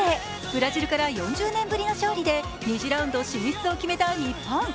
ブラジルから４０年ぶりの勝利で２次ラウンド進出を決めた日本。